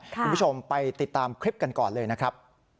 คุณผู้ชมไปติดตามคลิปกันก่อนเลยนะครับ